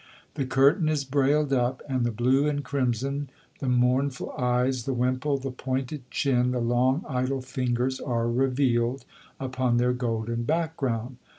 The curtain is brailed up, and the blue and crimson, the mournful eyes, the wimple, the pointed chin, the long idle fingers are revealed upon their golden background.